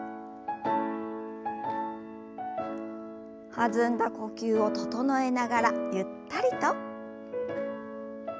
弾んだ呼吸を整えながらゆったりと。